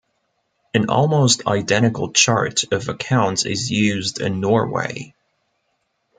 An almost identical chart of accounts is used in Norway.